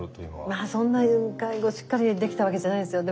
まあそんなに介護しっかりできたわけじゃないですよ。